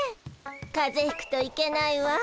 かぜひくといけないわ。